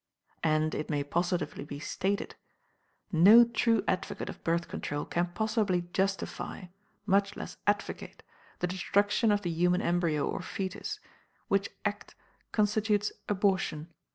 And, it may positively be stated, no true advocate of Birth Control can possibly justify, much less advocate, the destruction of the human embryo or foetus, which act constitutes abortion.